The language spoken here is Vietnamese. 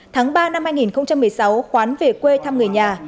tháng ba năm hai nghìn một mươi sáu khoán về quê thăm người nhà